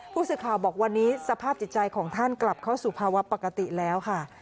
ผู้สื่อข่าวบอกวันนี้สภาพจิตใจของท่านกลับเข้าสู่ภาวะปกติแล้วค่ะ